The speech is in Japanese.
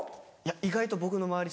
意外と僕の周り